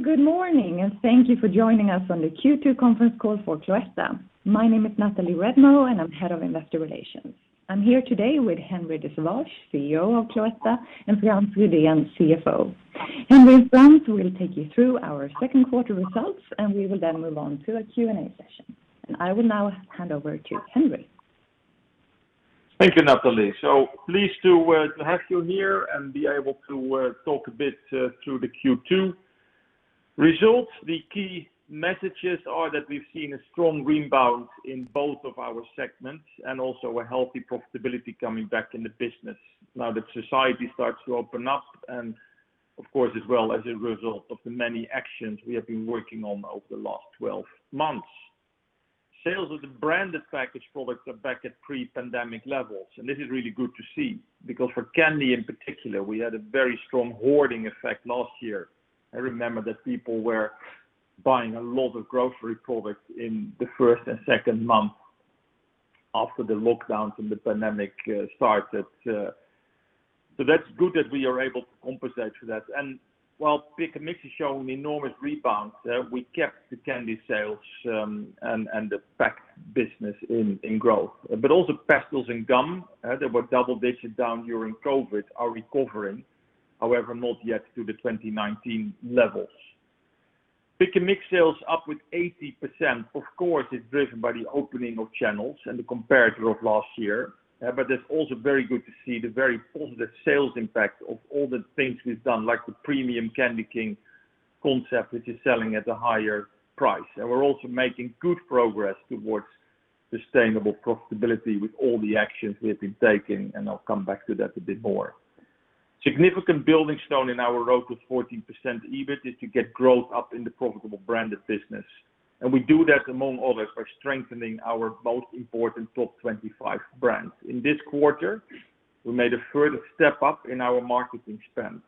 Good morning, and thank you for joining us on the Q2 conference call for Cloetta. My name is Nathalie Redmo, and I'm head of investor relations. I'm here today with Henri de Sauvage, CEO of Cloetta, and Frans Rydén, CFO. Henri and Frans will take you through our second quarter results, and we will then move on to a Q&A session. I will now hand over to Henri. Thank you, Nathalie. Pleased to have you here and be able to talk a bit through the Q2 results. The key messages are that we've seen a strong rebound in both of our segments and also a healthy profitability coming back in the business now that society starts to open up and, of course, as well as a result of the many actions we have been working on over the last 12 months. Sales of the branded packaged products are back at pre-pandemic levels, and this is really good to see because for candy in particular, we had a very strong hoarding effect last year. I remember that people were buying a lot of grocery products in the first and second month after the lockdowns and the pandemic started. That's good that we are able to compensate for that. While Pick & Mix is showing enormous rebounds, we kept the candy sales and the pack business in growth. Also pastilles and gum, that were double-digit down during COVID, are recovering, however, not yet to the 2019 levels. Pick & Mix sales up with 80%. Of course, it's driven by the opening of channels and the comparator of last year. It's also very good to see the very positive sales impact of all the things we've done, like the premium CandyKing concept, which is selling at a higher price. We're also making good progress towards sustainable profitability with all the actions we have been taking, and I'll come back to that a bit more. Significant building stone in our road to 14% EBIT is to get growth up in the profitable branded business. We do that, among others, by strengthening our most important top 25 brands. In this quarter, we made a further step up in our marketing spend,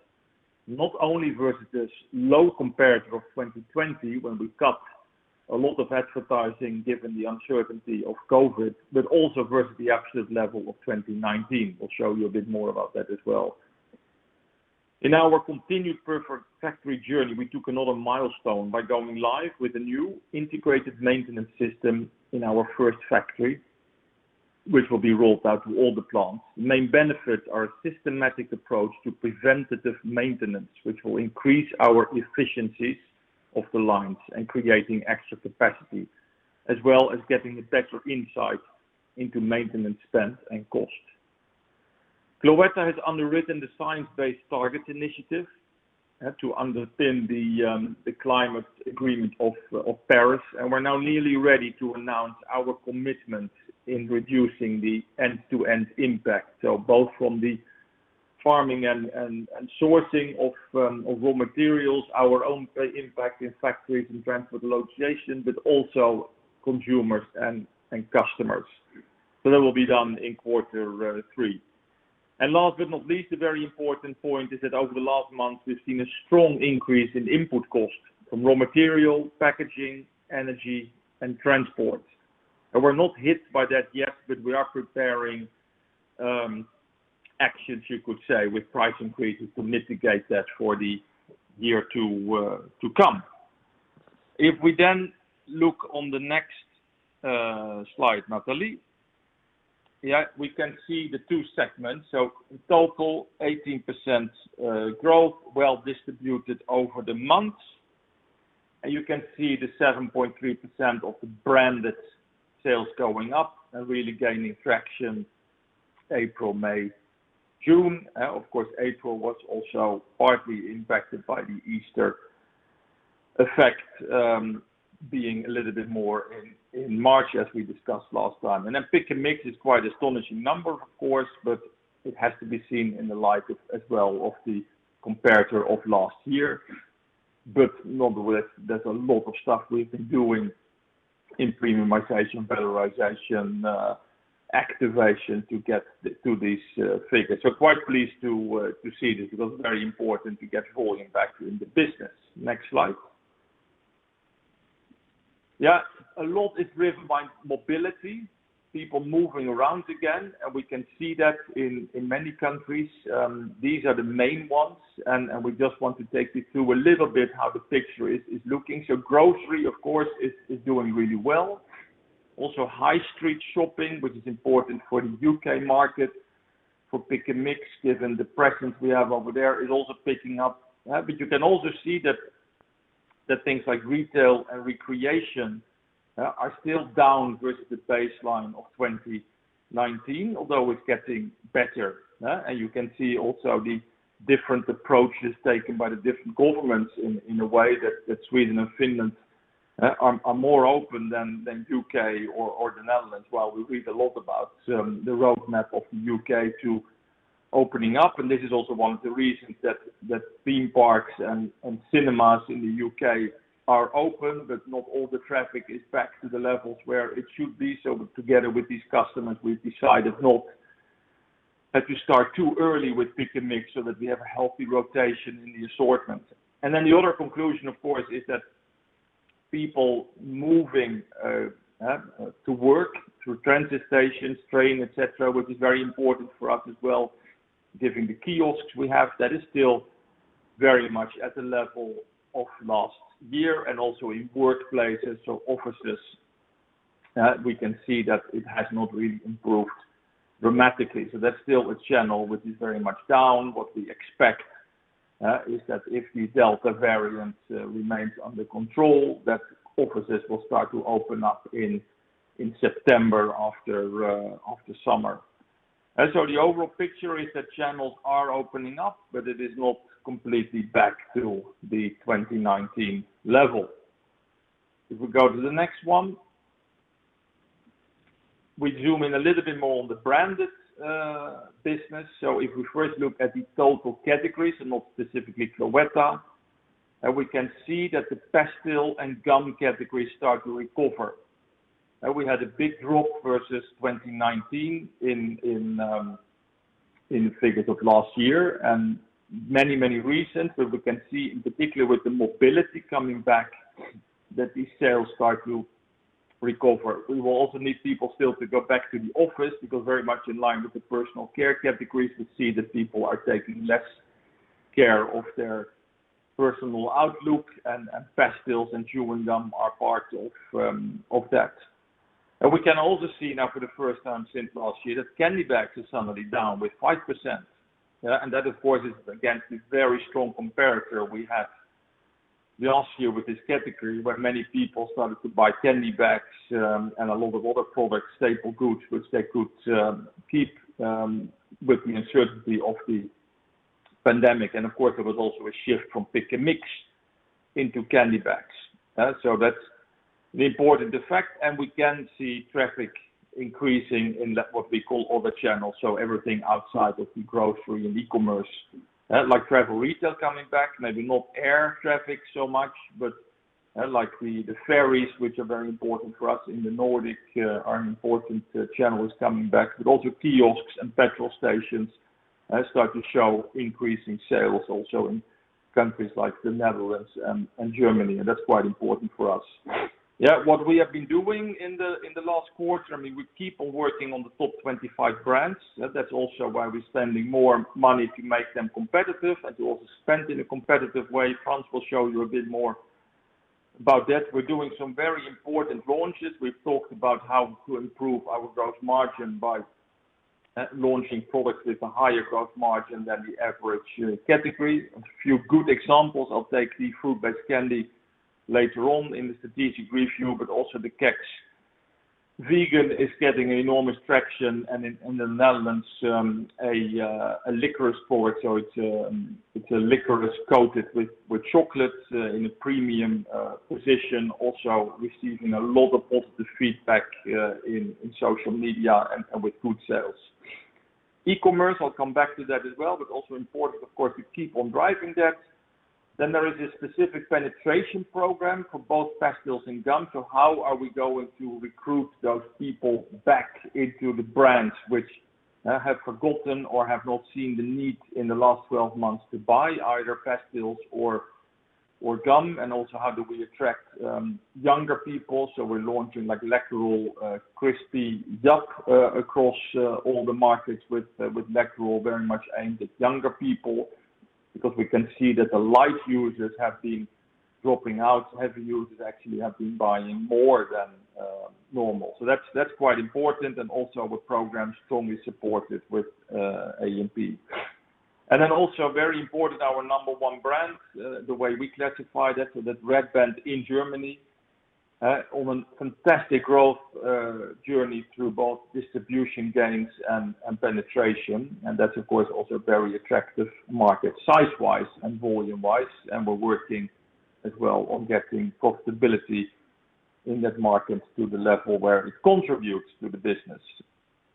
not only versus this low comparator of 2020, when we cut a lot of advertising given the uncertainty of COVID, but also versus the absolute level of 2019. We'll show you a bit more about that as well. In our continued Perfect Factory journey, we took another milestone by going live with a new integrated maintenance system in our first factory, which will be rolled out to all the plants. The main benefits are a systematic approach to preventative maintenance, which will increase our efficiencies of the lines and creating extra capacity, as well as getting a better insight into maintenance spend and cost. Cloetta has underwritten the Science Based Targets initiative to underpin the climate agreement of Paris, we're now nearly ready to announce our commitment in reducing the end-to-end impact. Both from the farming and sourcing of raw materials, our own impact in factories and transport logistics, but also consumers and customers. That will be done in quarter three. Last but not least, a very important point is that over the last month, we've seen a strong increase in input costs from raw material, packaging, energy, and transport. We're not hit by that yet, but we are preparing actions, you could say, with price increases to mitigate that for the year to come. If we look on the next slide, Nathalie. We can see the two segments. In total, 18% growth, well distributed over the months. You can see the 7.3% of the branded sales going up and really gaining traction April, May, June. Of course, April was also partly impacted by the Easter effect being a little bit more in March as we discussed last time. Pick & Mix is quite astonishing number, of course, but it has to be seen in the light as well of the comparator of last year. Nonetheless, there's a lot of stuff we've been doing in premiumization, betterization, activation to get to these figures. Quite pleased to see this. It was very important to get volume back in the business. Next slide. Yeah, a lot is driven by mobility, people moving around again, and we can see that in many countries. These are the main ones, and we just want to take you through a little bit how the picture is looking. Grocery, of course, is doing really well. Also high street shopping, which is important for the U.K. market for Pick & Mix, given the presence we have over there, is also picking up. You can also see that things like retail and recreation are still down versus the baseline of 2019, although it's getting better. You can see also the different approaches taken by the different governments in a way that Sweden and Finland are more open than U.K. or the Netherlands. While we read a lot about the roadmap of the U.K. to opening up, and this is also one of the reasons that theme parks and cinemas in the U.K. are open, but not all the traffic is back to the levels where it should be. Together with these customers, we've decided not that we start too early with Pick & Mix so that we have a healthy rotation in the assortment. The other conclusion, of course, is that people moving to work through transit stations, train, et cetera, which is very important for us as well, given the kiosks we have, that is still very much at the level of last year and also in workplaces. Offices, we can see that it has not really improved dramatically. That's still a channel which is very much down. What we expect is that if the Delta variant remains under control, that offices will start to open up in September after summer. The overall picture is that channels are opening up, but it is not completely back to the 2019 level. If we go to the next one, we zoom in a little bit more on the branded business. If we first look at the total categories and not specifically Cloetta, we can see that the pastille and gum categories start to recover. We had a big drop versus 2019 in the figures of last year, and many reasons. We can see in particular with the mobility coming back, that these sales start to recover. We will also need people still to go back to the office because very much in line with the personal care categories, we see that people are taking less care of their personal outlook, and pastilles and chewing gum are part of that. We can also see now for the first time since last year, that candy bags are suddenly down with 5%. That, of course, is against the very strong comparator we had last year with this category, where many people started to buy candy bags and a lot of other products, staple goods, which they could keep with the uncertainty of the pandemic. Of course, there was also a shift from Pick & Mix into candy bags. That's an important effect, and we can see traffic increasing in what we call other channels. Everything outside of the grocery and e-commerce, like travel retail coming back, maybe not air traffic so much, but the ferries, which are very important for us in the Nordic, are an important channel is coming back. Also kiosks and petrol stations start to show increasing sales also in countries like the Netherlands and Germany, and that's quite important for us. What we have been doing in the last quarter, we keep on working on the top 25 brands. That's also why we're spending more money to make them competitive and to also spend in a competitive way. Frans will show you a bit more about that. We're doing some very important launches. We've talked about how to improve our gross margin by launching products with a higher gross margin than the average category. A few good examples, I'll take the fruit-based candy later on in the strategic review, but also the Kex vegan is getting enormous traction and in the Netherlands, a licorice product. It's a licorice coated with chocolate in a premium position, also receiving a lot of positive feedback in social media and with good sales. E-commerce, I'll come back to that as well, also important, of course, to keep on driving that. There is a specific penetration program for both pastilles and gum. How are we going to recruit those people back into the brands which have forgotten or have not seen the need in the last 12 months to buy either pastilles or gum? How do we attract younger people? We're launching like Läkerol Crispy Duck across all the markets with Läkerol very much aimed at younger people, because we can see that the light users have been dropping out. Heavy users actually have been buying more than normal. That's quite important, and also with programs strongly supported with A&P. Very important, our number one brand, the way we classify that, so that Red Band in Germany, on a fantastic growth journey through both distribution gains and penetration. That's of course, also a very attractive market size-wise and volume-wise. We're working as well on getting profitability in that market to the level where it contributes to the business.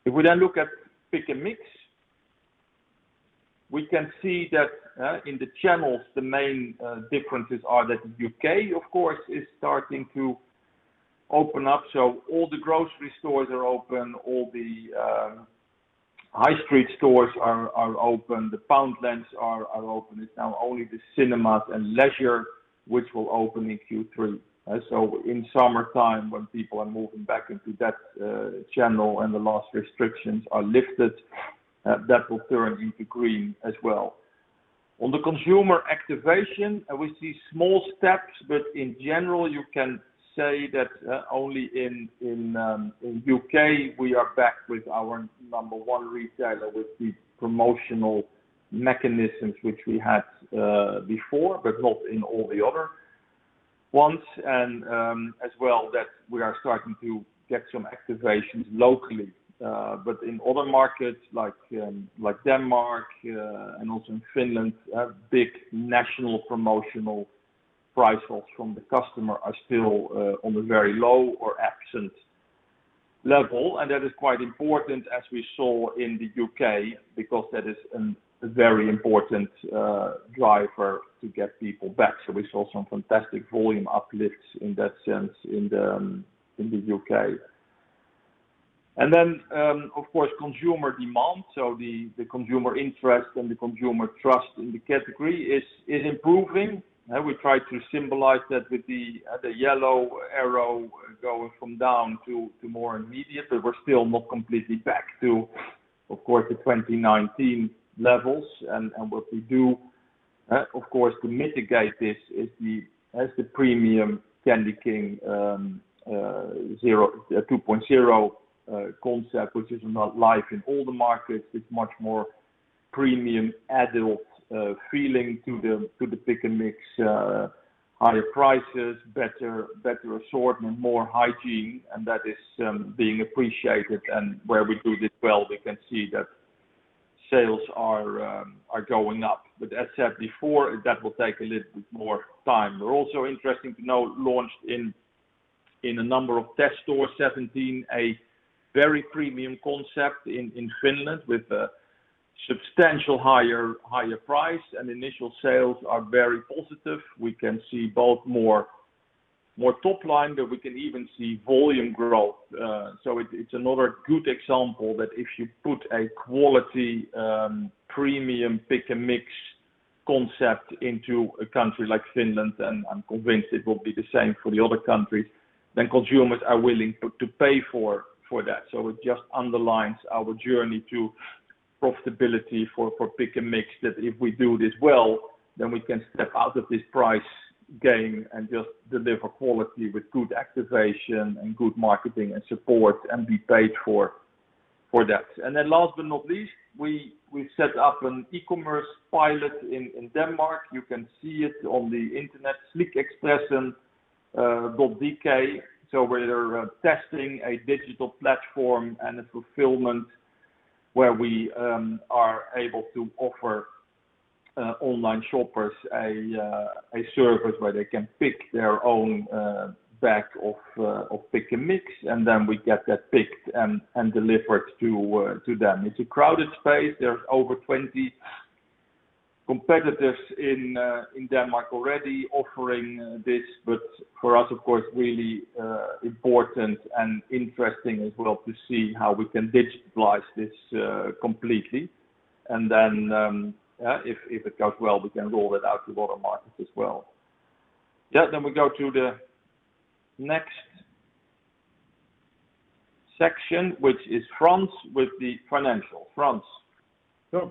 We then look at Pick & Mix, we can see that in the channels, the main differences are that the U.K., of course, is starting to open up. All the grocery stores are open, all the high street stores are open, the Poundlands are open. It's now only the cinemas and leisure, which will open in Q3. In summertime, when people are moving back into that channel and the last restrictions are lifted, that will turn into green as well. The consumer activation, we see small steps, but in general, you can say that only in U.K., we are back with our number one retailer, with the promotional mechanisms which we had before, but not in all the other ones. As well that we are starting to get some activations locally. In other markets like Denmark, and also in Finland, big national promotional price offs from the customer are still on a very low or absent level. That is quite important as we saw in the U.K., because that is a very important driver to get people back. We saw some fantastic volume uplifts in that sense in the U.K. Then, of course, consumer demand. The consumer interest and the consumer trust in the category is improving. We try to symbolize that with the yellow arrow going from down to more immediate, but we're still not completely back to, of course, the 2019 levels. What we do, of course, to mitigate this is the premium CandyKing 2.0 concept, which is now live in all the markets. It's much more premium adult feeling to the Pick & Mix, higher prices, better assortment, more hygiene, and that is being appreciated. Where we do this well, we can see that sales are going up. As said before, that will take a little bit more time. We're also, interesting to note, launched in a number of test stores, 17, a very premium concept in Finland with a substantial higher price and initial sales are very positive. We can see both more top line, but we can even see volume growth. It's another good example that if you put a quality, premium Pick & Mix concept into a country like Finland, and I'm convinced it will be the same for the other countries, then consumers are willing to pay for that. It just underlines our journey to profitability for Pick & Mix that if we do this well, then we can step out of this price game and just deliver quality with good activation and good marketing and support, and be paid for that. Then last but not least, we've set up an e-commerce pilot in Denmark. You can see it on the internet, slikekspressen.dk. Where they're testing a digital platform and a fulfillment where we are able to offer online shoppers a service where they can pick their own bag of Pick & Mix, then we get that picked and delivered to them. It's a crowded space. There's over 20 competitors in Denmark already offering this. For us, of course, really important and interesting as well to see how we can digitalize this completely. If it goes well, we can roll it out to other markets as well. Yeah. We go to the next section, which is Frans with the financial. Frans?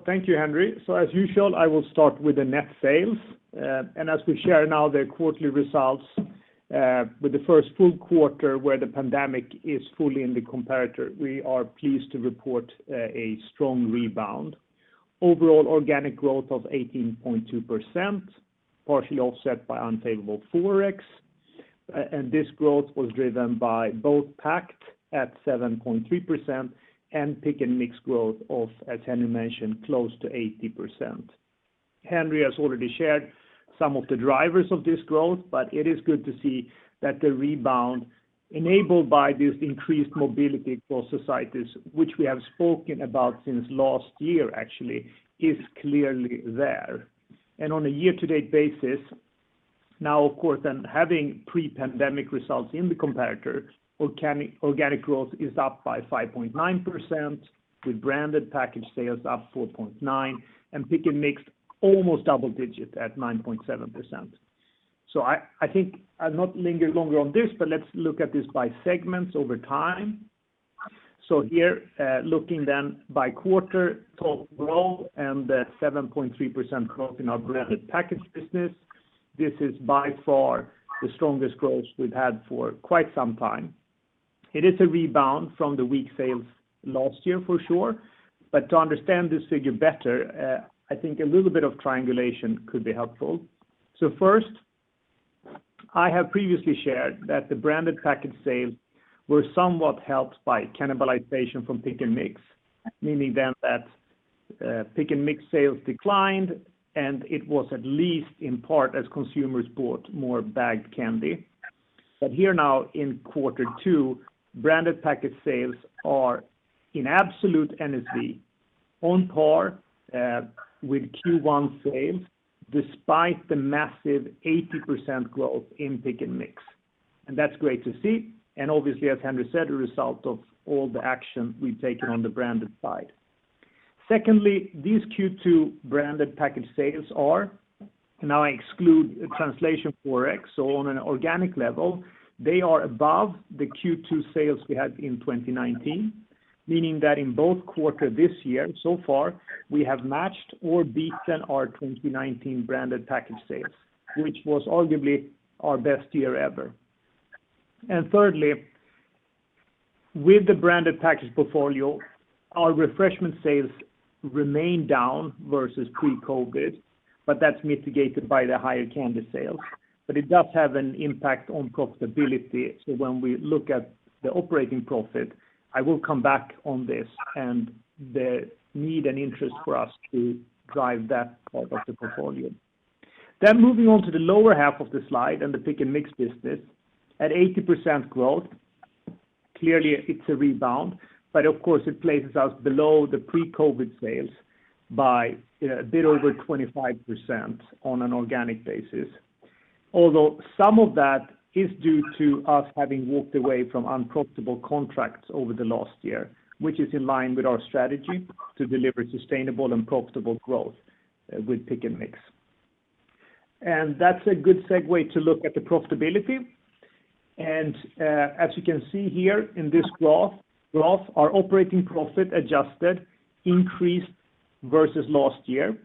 Thank you, Henri. As usual, I will start with the net sales. As we share now the quarterly results with the first full quarter where the pandemic is fully in the comparator, we are pleased to report a strong rebound. Overall organic growth of 18.2%, partially offset by unfavorable forex. This growth was driven by both packed at 7.3% and Pick & Mix growth of, as Henri mentioned, close to 80%. Henri has already shared some of the drivers of this growth, it is good to see that the rebound enabled by this increased mobility for societies, which we have spoken about since last year actually, is clearly there. On a year to date basis, now of course, then having pre-pandemic results in the comparator, organic growth is up by 5.9%, with branded package sales up 4.9%, and Pick & Mix almost double digit at 9.7%. I think I'll not linger longer on this, but let's look at this by segments over time. Here, looking then by quarter, total growth and the 7.3% growth in our branded package business, this is by far the strongest growth we've had for quite some time. It is a rebound from the weak sales last year for sure. To understand this figure better, I think a little bit of triangulation could be helpful. First, I have previously shared that the branded package sales were somewhat helped by cannibalization from Pick & Mix, meaning then that Pick & Mix sales declined, and it was at least in part as consumers bought more bagged candy. Here now in quarter two, branded package sales are in absolute NSV on par with Q1 sales, despite the massive 80% growth in Pick & Mix. That's great to see, and obviously, as Henri said, a result of all the action we've taken on the branded side. These Q2 branded package sales are, now I exclude translation ForEx, so on an organic level, they are above the Q2 sales we had in 2019, meaning that in both quarters this year so far, we have matched or beaten our 2019 branded package sales, which was arguably our best year ever. Thirdly, with the branded package portfolio, our refreshment sales remain down versus pre-COVID, but that's mitigated by the higher candy sales. It does have an impact on profitability. When we look at the operating profit, I will come back on this and the need and interest for us to drive that part of the portfolio. Moving on to the lower half of the slide and the Pick & Mix business. At 80% growth, clearly it's a rebound, but of course it places us below the pre-COVID sales by a bit over 25% on an organic basis. Although some of that is due to us having walked away from unprofitable contracts over the last year, which is in line with our strategy to deliver sustainable and profitable growth with Pick & Mix. That's a good segue to look at the profitability. As you can see here in this graph, our operating profit adjusted increased versus last year.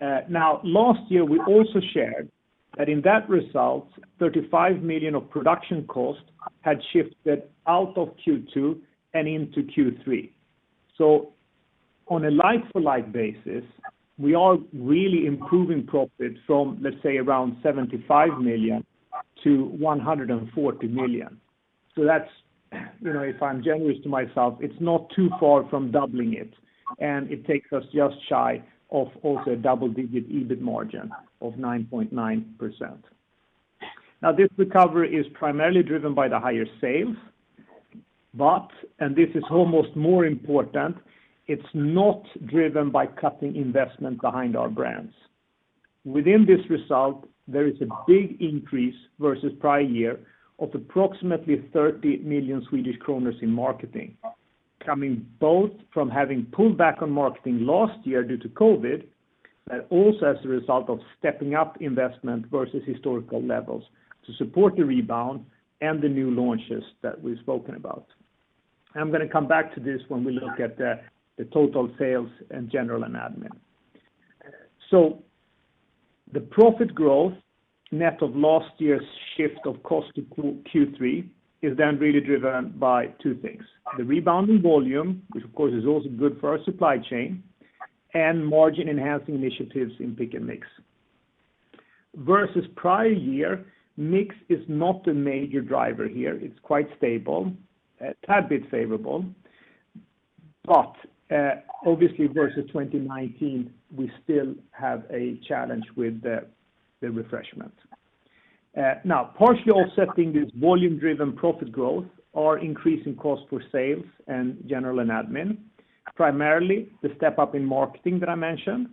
Last year, we also shared that in that result, 35 million of production cost had shifted out of Q2 and into Q3. On a like-for-like basis, we are really improving profit from, let's say, around 75 million to 140 million. If I'm generous to myself, it's not too far from doubling it, and it takes us just shy of also a double-digit EBIT margin of 9.9%. This recovery is primarily driven by the higher sales, but, and this is almost more important, it's not driven by cutting investment behind our brands. Within this result, there is a big increase versus prior year of approximately 30 million Swedish kronor in marketing, coming both from having pulled back on marketing last year due to COVID, but also as a result of stepping up investment versus historical levels to support the rebound and the new launches that we've spoken about. I'm going to come back to this when we look at the total sales and general and admin. The profit growth net of last year's shift of cost to Q3 is then really driven by two things, the rebound in volume, which, of course, is also good for our supply chain, and margin-enhancing initiatives in Pick & Mix. Versus prior year, mix is not a major driver here. It's quite stable, a tad bit favorable. Obviously versus 2019, we still have a challenge with the refreshment. Now, partially offsetting this volume-driven profit growth are increasing cost for sales and general and admin, primarily the step-up in marketing that I mentioned,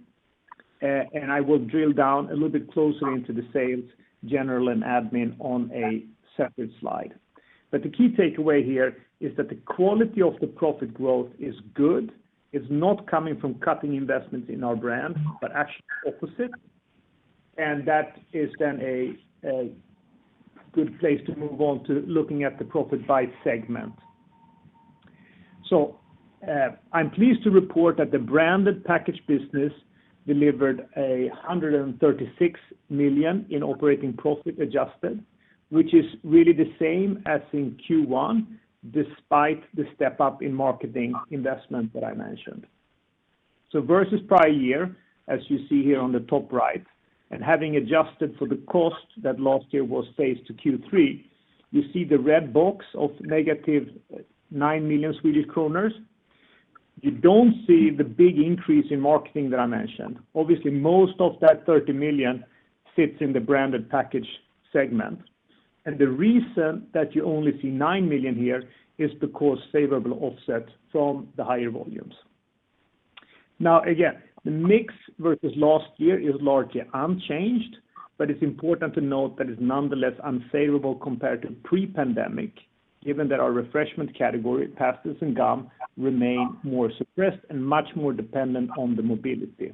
and I will drill down a little bit closer into the sales, general, and admin on a separate slide. The key takeaway here is that the quality of the profit growth is good. It's not coming from cutting investments in our brand, but actually opposite. That is then a good place to move on to looking at the profit by segment. I'm pleased to report that the branded packaged business delivered 136 million in operating profit adjusted, which is really the same as in Q1 despite the step-up in marketing investment that I mentioned. Versus prior year, as you see here on the top right, and having adjusted for the cost that last year was phased to Q3, you see the red box of negative 9 million Swedish kronor. You do not see the big increase in marketing that I mentioned. Obviously, most of that 30 million sits in the branded packaged segment. The reason that you only see 9 million here is because favorable offset from the higher volumes. Again, the mix versus last year is largely unchanged, but it is nonetheless unfavorable compared to pre-pandemic, given that our refreshment category, pastilles and gum, remain more suppressed and much more dependent on the mobility.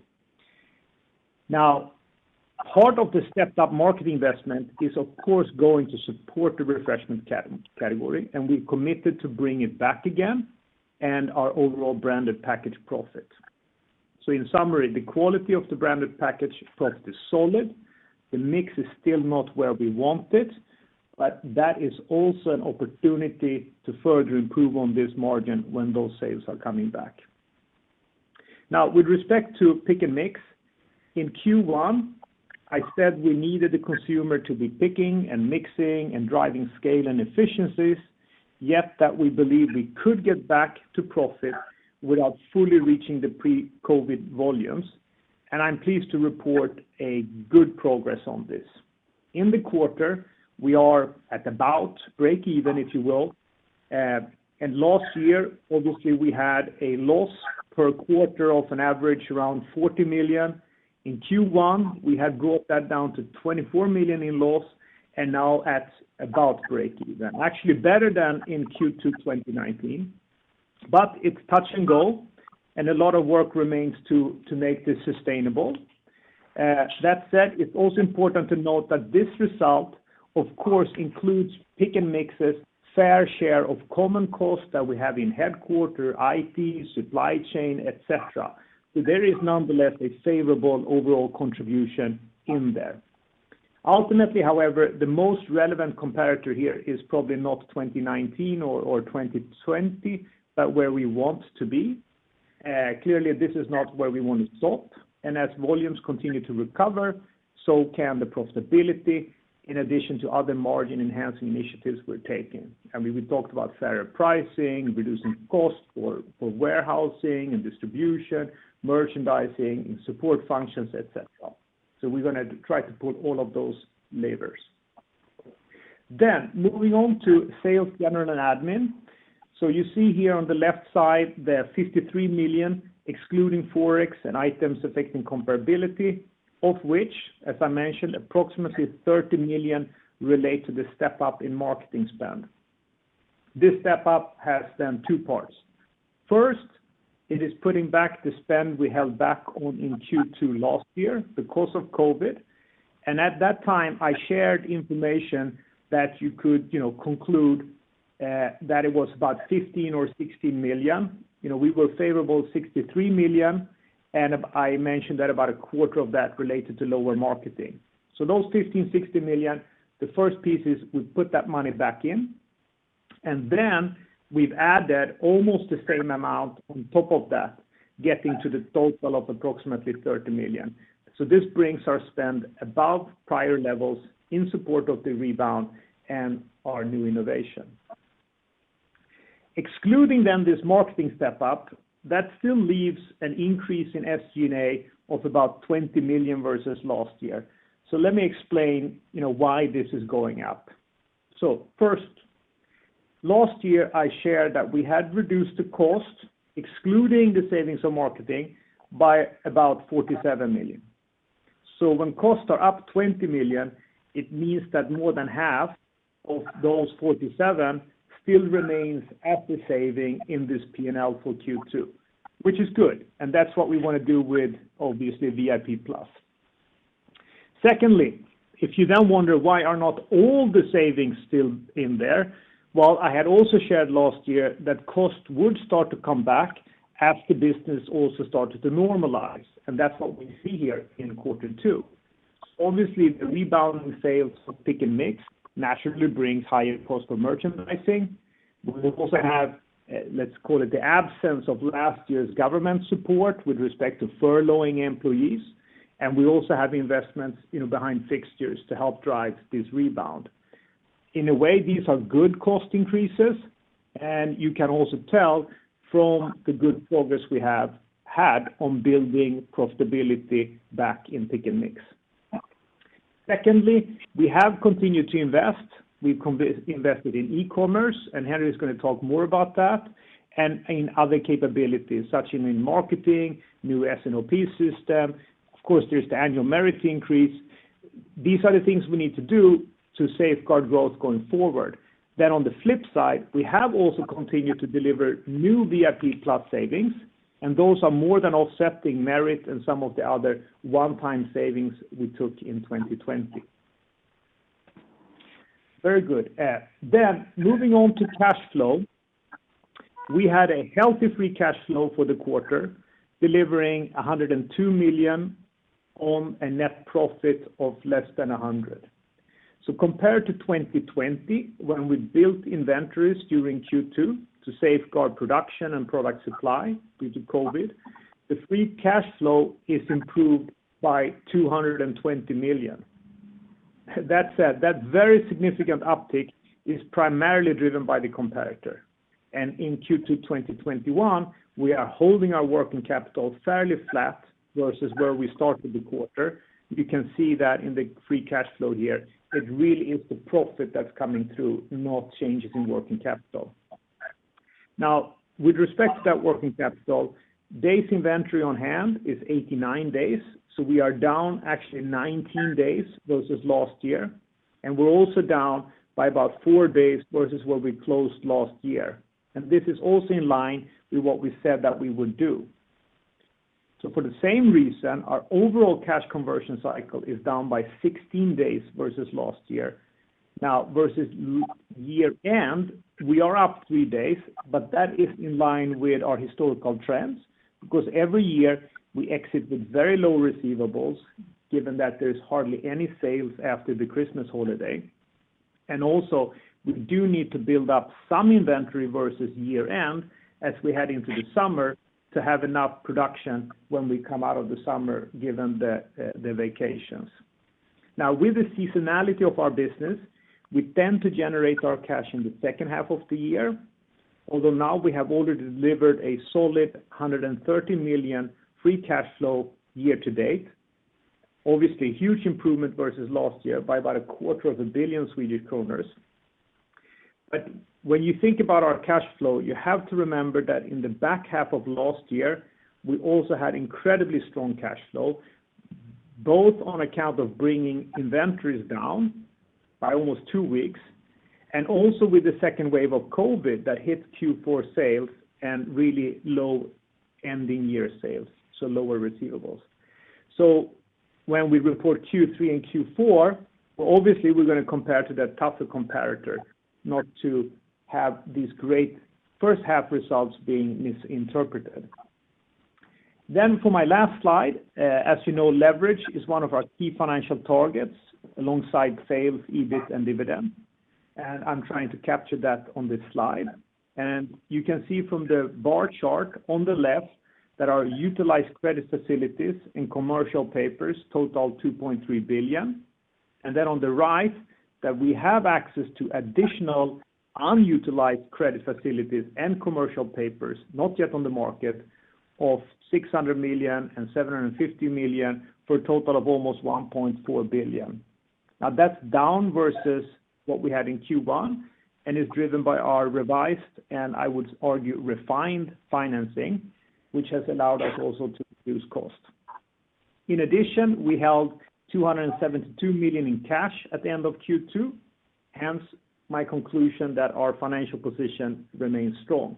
Part of the stepped-up marketing investment is, of course, going to support the refreshment category, and we have committed to bring it back again and our overall branded packaged profit. In summary, the quality of the branded packaged profit is solid. The mix is still not where we want it, that is also an opportunity to further improve on this margin when those sales are coming back. With respect to Pick & Mix, in Q1, I said we needed the consumer to be picking and mixing and driving scale and efficiencies, yet that we believe we could get back to profit without fully reaching the pre-COVID volumes. I'm pleased to report a good progress on this. In the quarter, we are at about breakeven, if you will. Last year, obviously, we had a loss per quarter of an average around 40 million. In Q1, we had brought that down to 24 million in loss, and now at about breakeven. Actually better than in Q2 2019. It's touch and go, and a lot of work remains to make this sustainable. That said, it's also important to note that this result, of course, includes Pick & Mix's fair share of common costs that we have in headquarters, IT, supply chain, et cetera. There is nonetheless a favorable overall contribution in there. Ultimately, however, the most relevant comparator here is probably not 2019 or 2020, but where we want to be. Clearly, this is not where we want to stop, and as volumes continue to recover, so can the profitability in addition to other margin-enhancing initiatives we're taking. We talked about fairer pricing, reducing cost for warehousing and distribution, merchandising, support functions, et cetera. We're going to try to pull all of those levers. Moving on to SG&A. You see here on the left side the 53 million, excluding forex and items affecting comparability, of which, as I mentioned, approximately 30 million relate to the step-up in marketing spend. This step-up has two parts. First, it is putting back the spend we held back on in Q2 last year because of COVID. At that time, I shared information that you could conclude that it was about 15 million or 16 million. We were favorable 63 million, and I mentioned that about a quarter of that related to lower marketing. Those 15 million, 16 million, the first piece is we put that money back in, and then we've added almost the same amount on top of that, getting to the total of approximately 30 million. This brings our spend above prior levels in support of the rebound and our new innovation. Excluding this marketing step-up, that still leaves an increase in SG&A of about 20 million versus last year. Let me explain why this is going up. First, last year, I shared that we had reduced the cost, excluding the savings on marketing, by about 47 million. When costs are up 20 million, it means that more than half of those 47 still remains as the saving in this P&L for Q2, which is good, and that's what we want to do with, obviously, VIP Plus. Secondly, if you wonder why are not all the savings still in there, well, I had also shared last year that cost would start to come back as the business also started to normalize, and that's what we see here in quarter two. Obviously, the rebound in sales for Pick & Mix naturally brings higher cost for merchandising. We also have, let's call it, the absence of last year's government support with respect to furloughing employees, and we also have investments behind fixtures to help drive this rebound. In a way, these are good cost increases, and you can also tell from the good progress we have had on building profitability back in Pick & Mix. Secondly, we have continued to invest. We've invested in e-commerce, and Henri's going to talk more about that, and in other capabilities, such in marketing, new S&OP system. Of course, there's the annual merit increase. These are the things we need to do to safeguard growth going forward. On the flip side, we have also continued to deliver new VIP Plus savings, and those are more than offsetting merit and some of the other one-time savings we took in 2020. Very good. Moving on to cash flow. We had a healthy free cash flow for the quarter, delivering 102 million on a net profit of less than 100. Compared to 2020, when we built inventories during Q2 to safeguard production and product supply due to COVID, the free cash flow is improved by 220 million. That said, that very significant uptick is primarily driven by thecomparator, and in Q2 2021, we are holding our working capital fairly flat versus where we started the quarter. You can see that in the free cash flow here. It really is the profit that's coming through, not changes in working capital. Now, with respect to that working capital, days inventory on hand is 89 days, so we are down actually 19 days versus last year, and we're also down by about four days versus where we closed last year. This is also in line with what we said that we would do. For the same reason, our overall cash conversion cycle is down by 16 days versus last year. Versus year end, we are up three days, but that is in line with our historical trends, because every year, we exit with very low receivables, given that there's hardly any sales after the Christmas holiday. Also, we do need to build up some inventory versus year end as we head into the summer to have enough production when we come out of the summer, given the vacations. With the seasonality of our business, we tend to generate our cash in the second half of the year. Although now we have already delivered a solid 130 million free cash flow year to date. Obviously, huge improvement versus last year by about a 0.25 billion Swedish kronor. When you think about our cash flow, you have to remember that in the back half of last year, we also had incredibly strong cash flow, both on account of bringing inventories down by almost two weeks, and also with the second wave of COVID that hit Q4 sales and really low ending year sales, so lower receivables. When we report Q3 and Q4, obviously we're going to compare to that tougher comparator, not to have these great first half results being misinterpreted. For my last slide, as you know, leverage is one of our key financial targets alongside sales, EBIT, and dividend, and I'm trying to capture that on this slide. You can see from the bar chart on the left that our utilized credit facilities in commercial papers total 2.3 billion, on the right, that we have access to additional unutilized credit facilities and commercial papers not yet on the market of 600 million and 750 million, for a total of almost 1.4 billion. That's down versus what we had in Q1, and is driven by our revised, and I would argue, refined financing, which has allowed us also to reduce cost. In addition, we held 272 million in cash at the end of Q2, hence my conclusion that our financial position remains strong.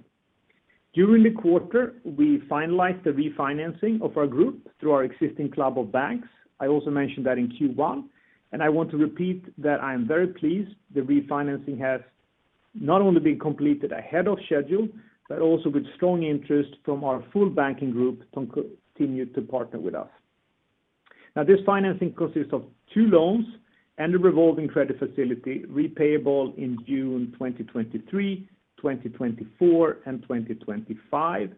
During the quarter, we finalized the refinancing of our group through our existing club of banks. I also mentioned that in Q1, and I want to repeat that I am very pleased the refinancing has not only been completed ahead of schedule, but also with strong interest from our full banking group to continue to partner with us. Now, this financing consists of two loans and a revolving credit facility repayable in June 2023, 2024, and 2025,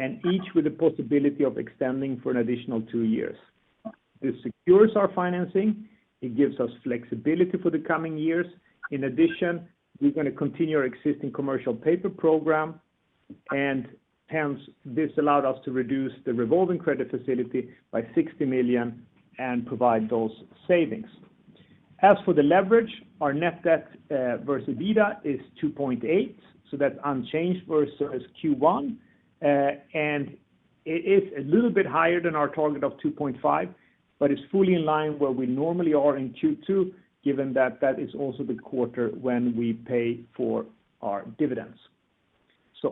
and each with the possibility of extending for an additional two years. This secures our financing. It gives us flexibility for the coming years. In addition, we're going to continue our existing commercial paper program, and hence, this allowed us to reduce the revolving credit facility by 60 million and provide those savings. As for the leverage, our net debt versus EBITDA is 2.8, so that's unchanged versus Q1. It is a little bit higher than our target of 2.5, but it's fully in line where we normally are in Q2, given that that is also the quarter when we pay for our dividends.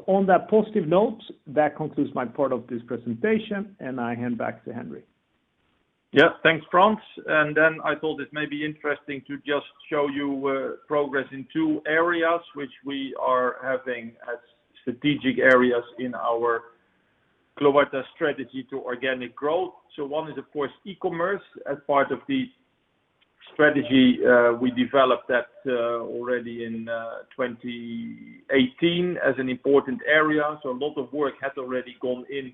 On that positive note, that concludes my part of this presentation, and I hand back to Henri. Yeah. Thanks, Frans. I thought it may be interesting to just show you progress in two areas which we are having as strategic areas in our Cloetta strategy to organic growth. One is, of course, e-commerce. As part of the strategy, we developed that already in 2018 as an important area. A lot of work has already gone in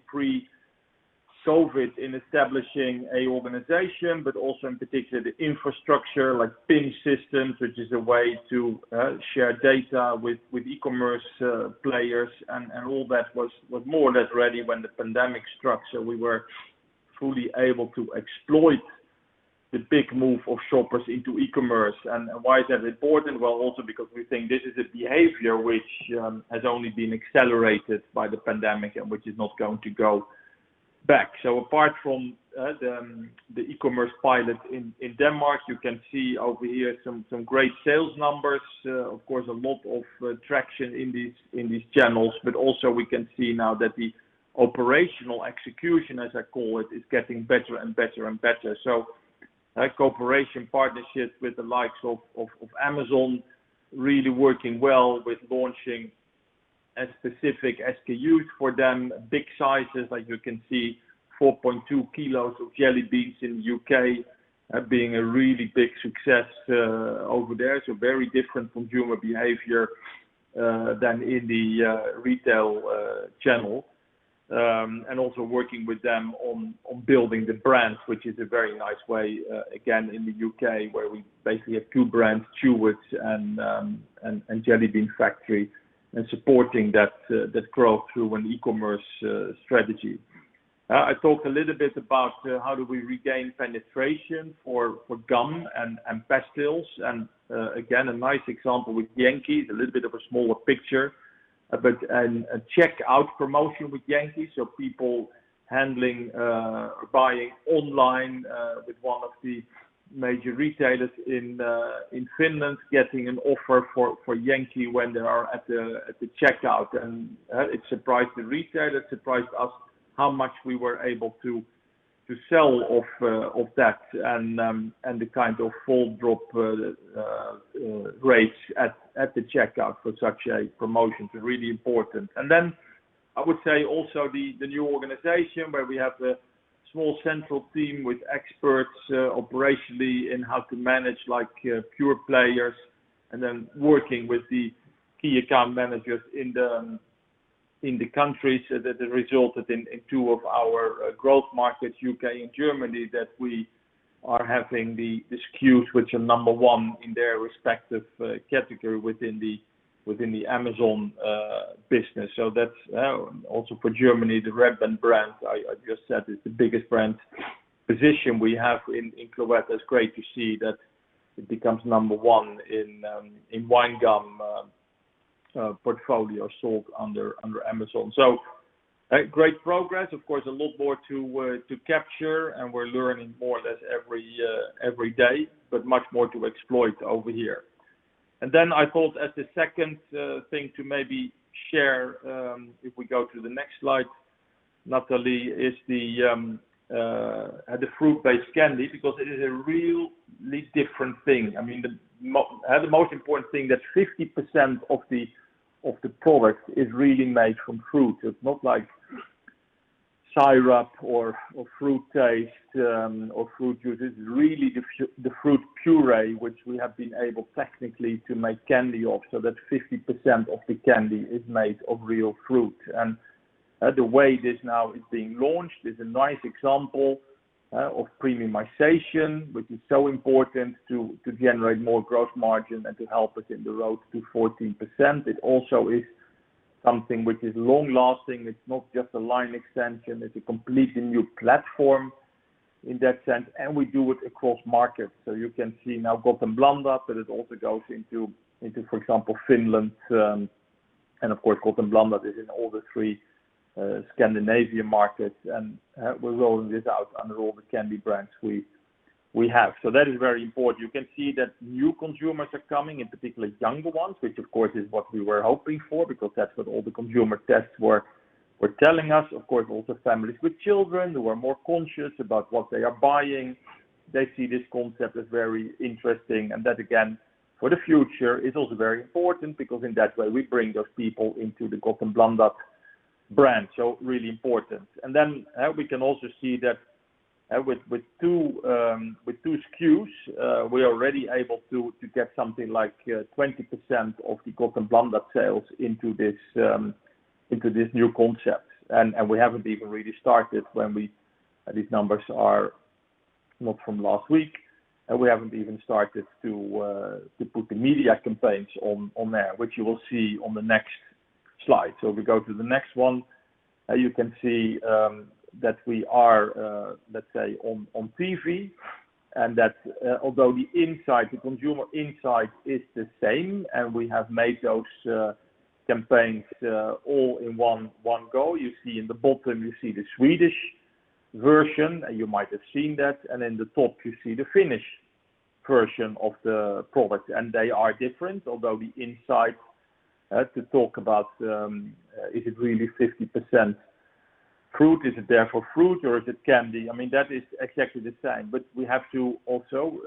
pre-COVID in establishing a organization, but also in particular the infrastructure like PIM systems, which is a way to share data with e-commerce players, all that was more or less ready when the pandemic struck. We were fully able to exploit the big move of shoppers into e-commerce. Why is that important? Well, also because we think this is a behavior which has only been accelerated by the pandemic, which is not going to go back. Apart from the e-commerce pilot in Denmark, you can see over here some great sales numbers. Of course, a lot of traction in these channels, but also we can see now that the operational execution, as I call it, is getting better and better. That cooperation partnership with the likes of Amazon really working well with launching a specific SKUs for them. Big sizes, as you can see, 4.2 kilos of jelly beans in the U.K. being a really big success over there. Also working with them on building the brands, which is a very nice way, again, in the U.K., where we basically have two brands, Chewits and The Jelly Bean Factory, and supporting that growth through an e-commerce strategy. I talked a little bit about how do we regain penetration for gum and pastilles, and again, a nice example with Jenkki, a little bit of a smaller picture, but a checkout promotion with Jenkki. People buying online with one of the major retailers in Finland, getting an offer for Jenkki when they are at the checkout. It surprised the retailer, surprised us how much we were able to sell of that, and the kind of fold drop rates at the checkout for such a promotion is really important. I would say also the new organization where we have a small central team with experts operationally in how to manage pure players, and then working with the key account managers in the countries that resulted in two of our growth markets, U.K. and Germany, that we are having the SKUs which are number one in their respective category within the Amazon business. That's also for Germany, the Red Band brand, I just said is the biggest brand position we have in Cloetta. It's great to see that it becomes number one in wine gum portfolio sold under Amazon. Great progress. Of course, a lot more to capture and we're learning more or less every day, but much more to exploit over here. I thought as the second thing to maybe share, if we go to the next slide, Nathalie, is the fruit-based candy, because it is a really different thing. The most important thing that 50% of the product is really made from fruit. It's not like syrup or fruit taste, or fruit juices. It's really the fruit puree, which we have been able technically to make candy of, so that 50% of the candy is made of real fruit. The way this now is being launched is a nice example of premiumization, which is so important to generate more growth margin and to help us in the road to 14%. It also is something which is long-lasting. It's not just a line extension. It's a completely new platform in that sense, and we do it across markets. You can see now Gott & Blandat, but it also goes into, for example, Finland. Of course, Gott & Blandat is in all the three Scandinavian markets, and we're rolling this out under all the candy brands we have. That is very important. You can see that new consumers are coming, in particular younger ones, which of course, is what we were hoping for because that's what all the consumer tests were telling us. Of course, also families with children who are more conscious about what they are buying, they see this concept as very interesting. That, again, for the future is also very important because in that way, we bring those people into the Gott & Blandat brand, so really important. Then we can also see that with two SKUs, we are already able to get something like 20% of the Gott & Blandat sales into this new concept. We haven't even really started when we-- these numbers are not from last week. We haven't even started to put the media campaigns on there, which you will see on the next slide. We go to the next one. You can see that we are, let's say, on TV, and that although the insight, the consumer insight is the same, and we have made those campaigns all in one go. You see in the bottom, you see the Swedish version, and you might have seen that. In the top you see the Finnish version of the product, and they are different. Although the insight to talk about, is it really 50% fruit? Is it therefore fruit or is it candy? I mean, that is exactly the same. We have to also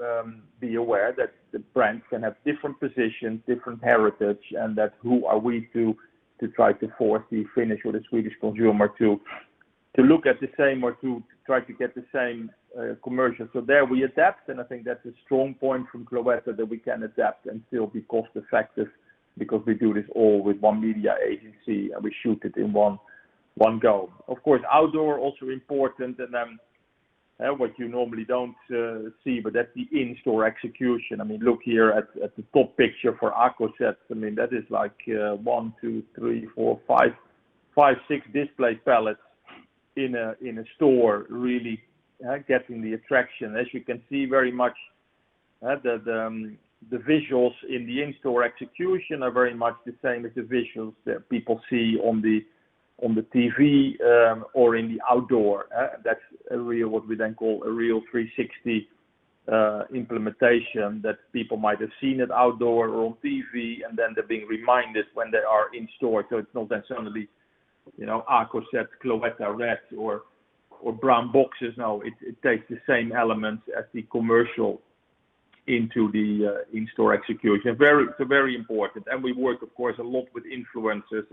be aware that the brands can have different positions, different heritage, and that who are we to try to force the Finnish or the Swedish consumer to look at the same or to try to get the same commercial. There we adapt, and I think that's a strong point from Cloetta that we can adapt and still be cost-effective because we do this all with one media agency, and we shoot it in one go. Of course, outdoor also important, and then what you normally don't see, but that's the in-store execution. Look here at the top picture for Aakkoset. That is one, two, three, four, five, six display palettes in a store really getting the attraction. As you can see, the visuals in the in-store execution are very much the same as the visuals that people see on the TV or in the outdoor. That's what we then call a real 360 implementation that people might have seen it outdoor or on TV, and then they're being reminded when they are in store. It's not necessarily Aakkoset, Cloetta red or brown boxes. No, it takes the same elements as the commercial into the in-store execution. Very important. We work, of course, a lot with influencers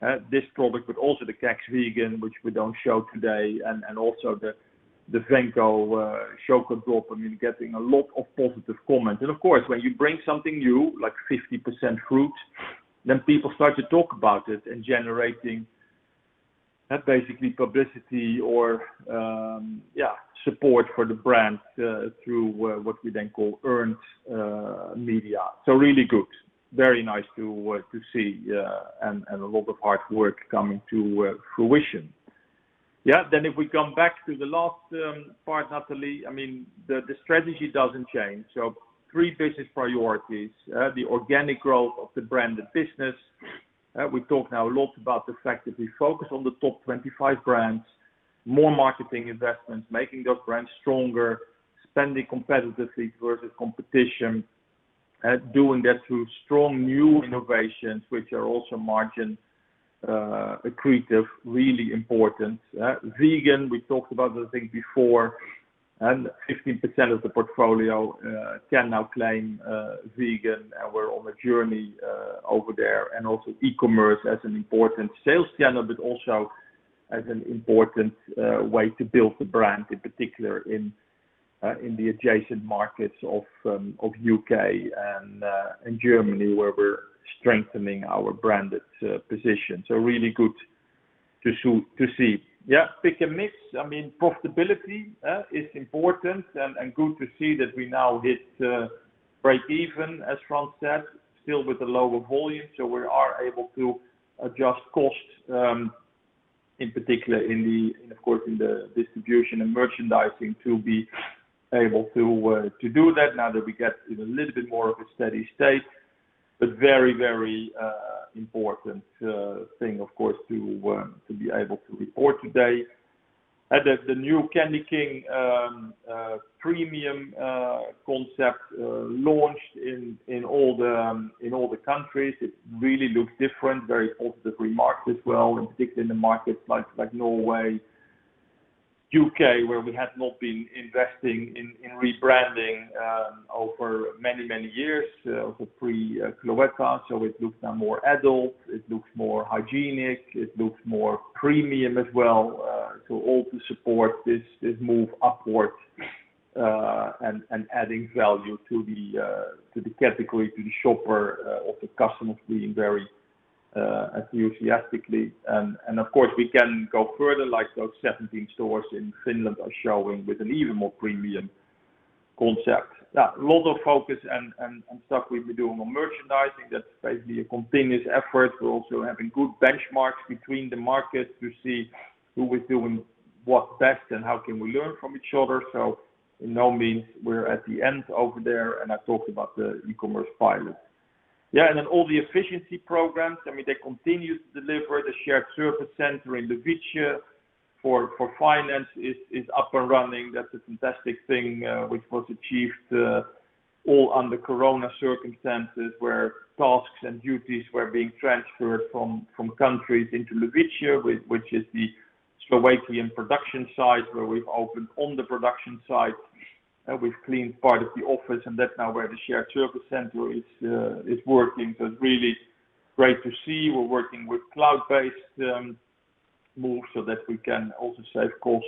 and this product, but also the Kexchoklad Vegan, which we don't show today, and also the Venco Choco D'rop, getting a lot of positive comments. Of course, when you bring something new, like 50% fruit, then people start to talk about it and generating basically publicity or support for the brand through what we then call earned media. Really good. Very nice to see and a lot of hard work coming to fruition. Yeah. If we come back to the last part, Nathalie, the strategy doesn't change. Three business priorities, the organic growth of the branded business. We talk now a lot about the fact that we focus on the top 25 brands, more marketing investments, making those brands stronger, spending competitively versus competition, and doing that through strong new innovations, which are also margin accretive, really important. Vegan, we talked about I think before, and 15% of the portfolio can now claim vegan, and we're on a journey over there. Also e-commerce as an important sales channel, but also as an important way to build the brand, in particular in the adjacent markets of U.K. and Germany, where we're strengthening our branded position. Really good to see. Yeah. Pick & Mix, profitability is important and good to see that we now hit breakeven, as Frans said, still with a lower volume. We are able to adjust costs, in particular in the, of course, in the distribution and merchandising to be able to do that now that we get in a little bit more of a steady state. Very important thing, of course, to be able to report today. The new Candyking premium concept launched in all the countries. It really looks different, very positive remarks as well, in particular in the markets like Norway, U.K., where we had not been investing in rebranding over many years for pre-Cloetta. It looks now more adult, it looks more hygienic, it looks more premium as well. All to support this move upward and adding value to the category, to the shopper or the customers being very enthusiastically. Of course, we can go further, like those 17 stores in Finland are showing with an even more premium concept. Yeah, a lot of focus and stuff we've been doing on merchandising, that's basically a continuous effort. We're also having good benchmarks between the markets to see who is doing what best and how can we learn from each other. In no means we're at the end over there, and I talked about the e-commerce pilot. Yeah, all the efficiency programs, they continue to deliver the shared service center in Levice for finance is up and running. That's a fantastic thing, which was achieved all under COVID circumstances, where tasks and duties were being transferred from countries into Levice, which is the Slovakian production site where we've opened on the production site, and we've cleaned part of the office, and that's now where the shared service center is working. It's really great to see. We're working with cloud-based moves so that we can also save cost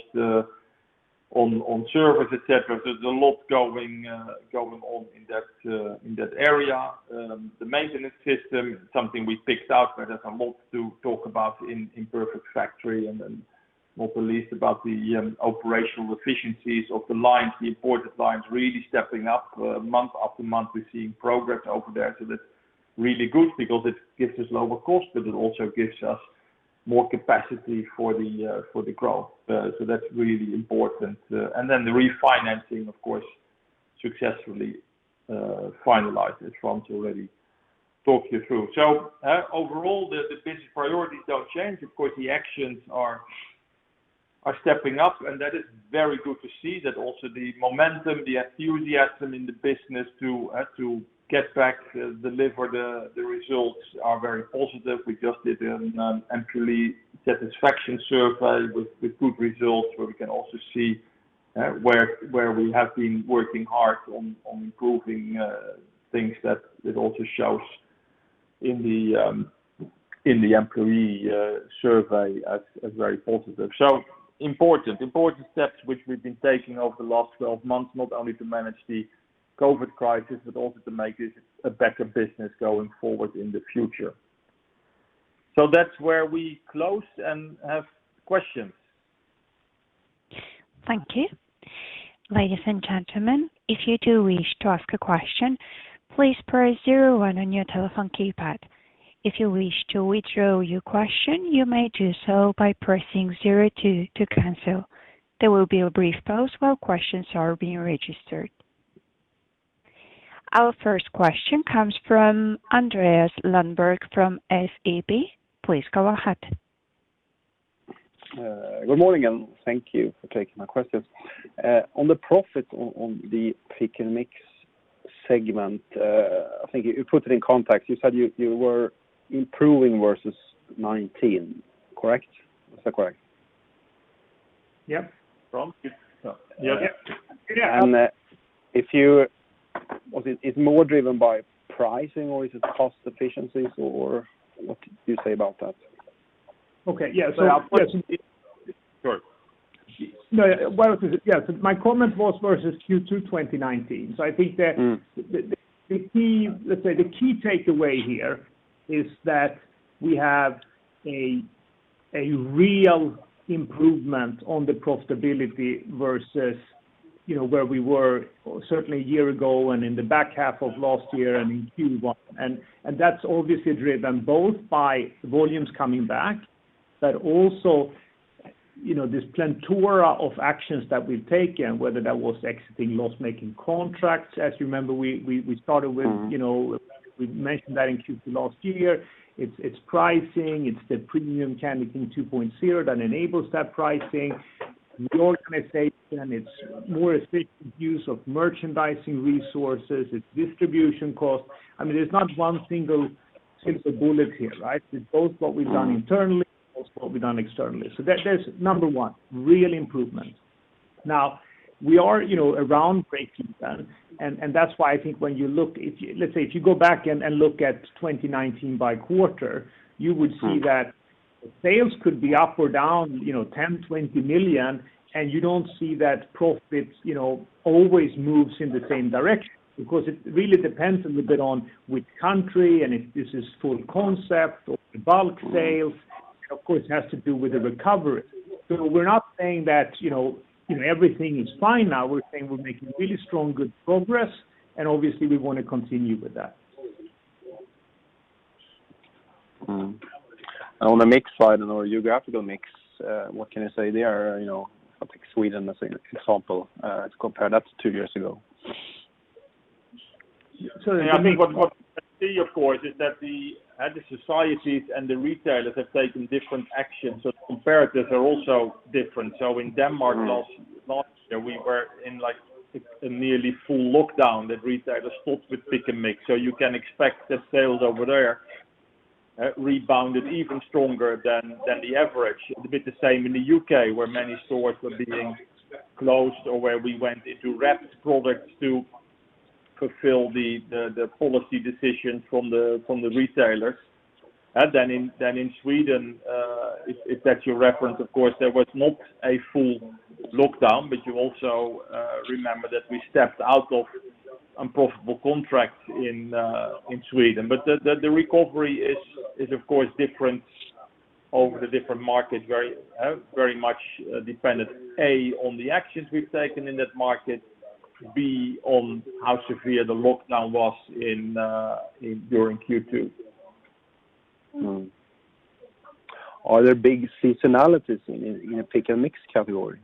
on service, et cetera. There's a lot going on in that area. The maintenance system is something we picked out that has a lot to talk about in Perfect Plant and not the least about the operational efficiencies of the lines, the imported lines, really stepping up month after month. We're seeing progress over there. That's really good because it gives us lower cost, but it also gives us more capacity for the growth. That's really important. The refinancing, of course, successfully finalized, as Frans already talked you through. Overall, the business priorities don't change. Of course, the actions are stepping up, and that is very good to see that also the momentum, the enthusiasm in the business to get back, deliver the results are very positive. We just did an employee satisfaction survey with good results, where we can also see where we have been working hard on improving things that it also shows in the employee survey as very positive. Important steps which we've been taking over the last 12 months, not only to manage the COVID crisis, but also to make this a better business going forward in the future. That's where we close and have questions. Our first question comes from Andreas Lundberg from SEB. Please go ahead. Good morning. Thank you for taking my questions. On the profit on the Pick & Mix segment, I think you put it in context. You said you were improving versus 2019, correct? Is that correct? Yeah. Frans? Yeah. Was it more driven by pricing, or is it cost efficiencies, or what could you say about that? Okay, yeah. Sure. No, yeah. My comment was versus Q2 2019. I think that let's say the key takeaway here is that we have a real improvement on the profitability versus where we were certainly a year ago and in the back half of last year and in Q1. That's obviously driven both by volumes coming back, but also this plethora of actions that we've taken, whether that was exiting loss-making contracts. As you remember, we mentioned that in Q2 last year. It's pricing, it's the premium CandyKing 2.0 that enables that pricing. The organization, it's more efficient use of merchandising resources, it's distribution costs. There's not one single bullet here, right? It's both what we've done internally, also what we've done externally. That is number one, real improvement. We are around breaking even, and that's why I think when you look, let's say if you go back and look at 2019 by quarter, you would see that sales could be up or down 10 million, 20 million, and you don't see that profit always moves in the same direction because it really depends a little bit on which country, and if this is full concept or bulk sales, and of course, it has to do with the recovery. We're not saying that everything is fine now. We're saying we're making really strong, good progress, obviously, we want to continue with that. On the mix side, on our geographical mix, what can you say there? Sweden as an example, let's compare that to two years ago. I think what I see, of course, is that the societies and the retailers have taken different actions, the comparatives are also different. In Denmark last year, we were in a nearly full lockdown that retailers stopped with Pick & Mix. You can expect the sales over there rebounded even stronger than the average. It's a bit the same in the U.K., where many stores were being closed or where we went into wrapped products to fulfill the policy decisions from the retailers. In Sweden, if that's your reference, of course, there was not a full lockdown, but you also remember that we stepped out of unprofitable contracts in Sweden. The recovery is of course different over the different markets, very much dependent, A, on the actions we've taken in that market, B, on how severe the lockdown was during Q2. Are there big seasonalities in Pick & Mix category?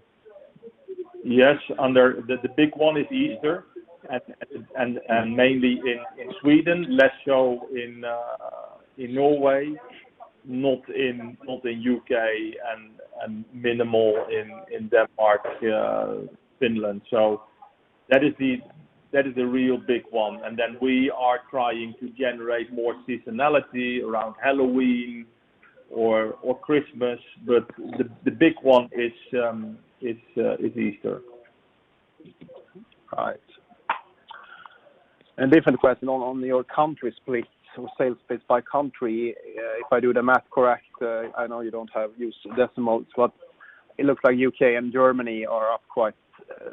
Yes. The big one is Easter, mainly in Sweden, less so in Norway, not in U.K., minimal in Denmark, Finland. That is the real big one. We are trying to generate more seasonality around Halloween or Christmas. The big one is Easter. All right. Different question on your country split. Sales split by country, if I do the math correct, I know you don't use decimals, but it looks like U.K. and Germany are up quite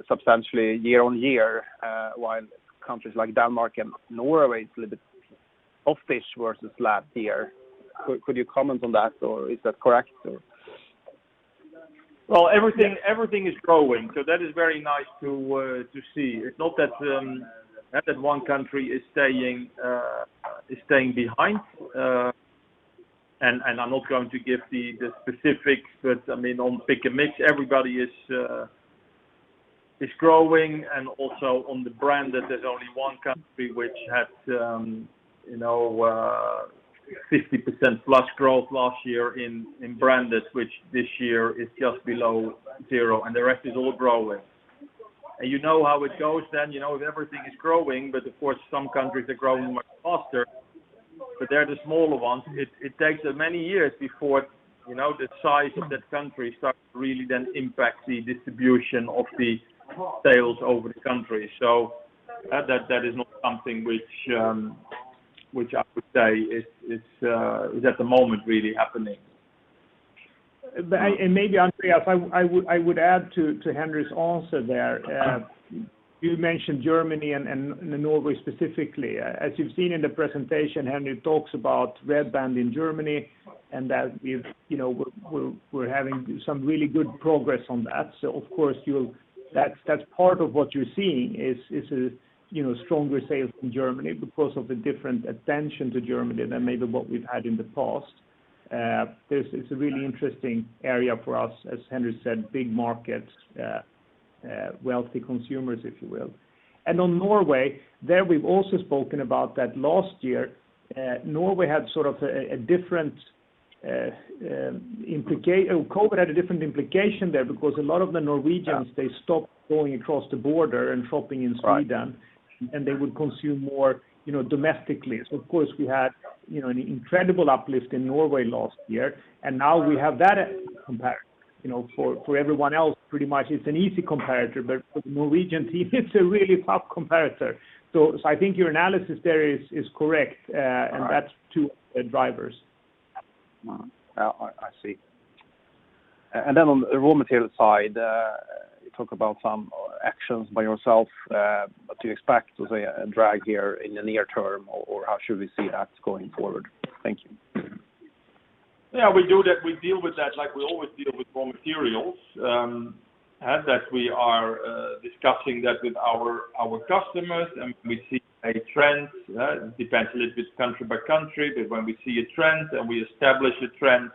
substantially year-over-year, while countries like Denmark and Norway, it's a little bit offish versus last year. Could you comment on that, or is that correct? Well, everything is growing. That is very nice to see. It's not that one country is staying behind. I'm not going to give the specifics. On Pick & Mix, everybody is growing, and also on the brand that there's only one country which had 50%+ growth last year in branded, which this year is just below zero. The rest is all growing. You know how it goes. You know if everything is growing. Of course, some countries are growing much faster. They're the smaller ones. It takes many years before the size of that country starts to really impact the distribution of the sales over the country. That is not something which I would say is at the moment really happening. Maybe Andreas, I would add to Henri's answer there. You mentioned Germany and Norway specifically. As you've seen in the presentation, Henri talks about Red Band in Germany, and that we're having some really good progress on that. Of course, that's part of what you're seeing is stronger sales in Germany because of the different attention to Germany than maybe what we've had in the past. It's a really interesting area for us, as Henri said, big markets, wealthy consumers, if you will. On Norway, there we've also spoken about that last year. Norway had sort of a different, COVID had a different implication there because a lot of the Norwegians, they stopped going across the border and shopping in Sweden, and they would consume more domestically. Of course, we had an incredible uplift in Norway last year, and now we have that comparison. For everyone else, pretty much it's an easy comparator. For the Norwegians, it's a really tough comparator. I think your analysis there is correct, and that's two drivers. I see. Then on the raw material side, you talk about some actions by yourself. Do you expect to see a drag here in the near term, or how should we see that going forward? Thank you. Yeah, we deal with that like we always deal with raw materials, that we are discussing that with our customers, and we see a trend. It depends a little bit country by country, but when we see a trend and we establish a trend,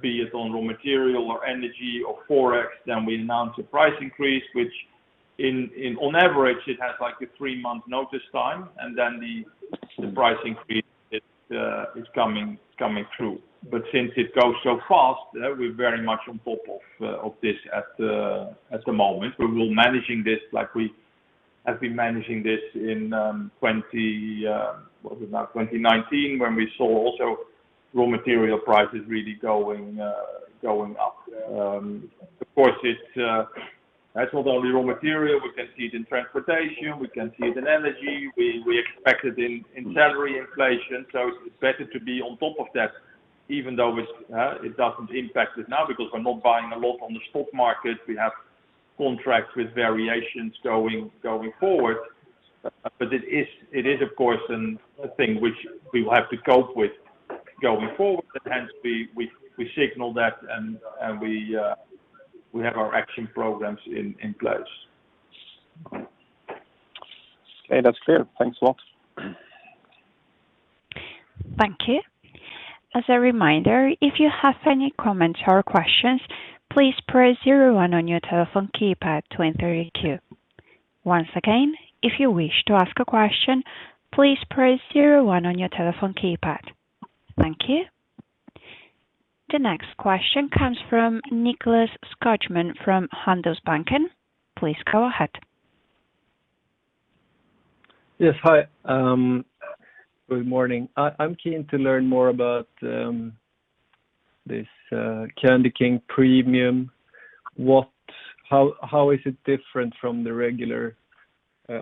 be it on raw material or energy or forex, then we announce a price increase, which on average, it has a three-month notice time, and then the price increase is coming through. Since it goes so fast, we're very much on top of this at the moment. We're managing this like we have been managing this in 2019, when we saw also raw material prices really going up. Of course, that's not only raw material. We can see it in transportation. We can see it in energy. We expect it in salary inflation, so it's better to be on top of that, even though it doesn't impact us now because we're not buying a lot on the stock market. We have contracts with variations going forward. It is, of course, a thing which we will have to cope with going forward. Hence, we signal that, and we have our action programs in place. Okay, that's clear. Thanks a lot. The next question comes from Nicklas Skogman from Handelsbanken. Please go ahead. Yes, hi. Good morning. I am keen to learn more about this CandyKing premium, how is it different from the regular